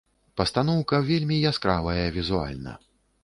Пастаноўка вельмі яскравая візуальна.